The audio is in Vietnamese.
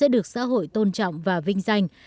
được tôn trọng và vinh danh